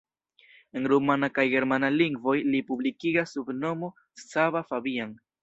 En rumana kaj germana lingvoj li publikigas sub nomo Csaba Fabian.